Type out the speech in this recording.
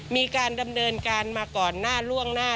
มีการดำเนินการมาก่อนหน้าล่วงหน้า